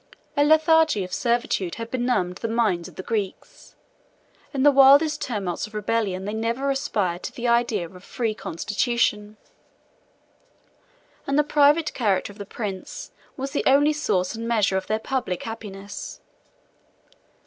67 A lethargy of servitude had benumbed the minds of the Greeks: in the wildest tumults of rebellion they never aspired to the idea of a free constitution; and the private character of the prince was the only source and measure of their public happiness.